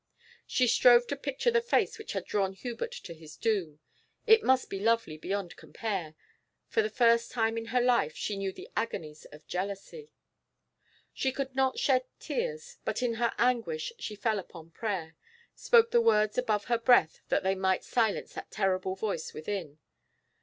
She strove to picture the face which had drawn Hubert to his doom. It must be lovely beyond compare. For the first time in her life she knew the agonies of jealousy. She could not shed tears, but in her anguish she fell upon prayer, spoke the words above her breath that they might silence that terrible voice within.